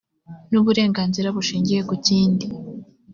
n uburenganzira bushingiye ku kindi